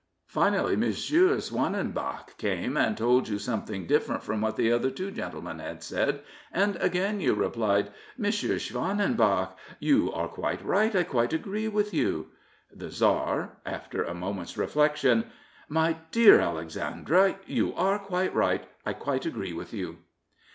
Finally, M. Schwanenbach came and told you something different from what the other two gentlemen had said, and again you replied, " M. Schwanenbach, you are quite right. 1 quite agree with you. The Tsar (after a moment's reflection) : My dear Alexandra, you are quite right. I quite agree with you.